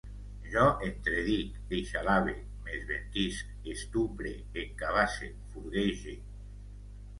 Jo entredic, eixalave, m'esventisc, estupre, encabasse, furguege